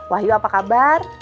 wahyu apa kabar